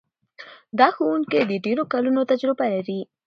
دا ښوونکی د ډېرو کلونو تجربه لري.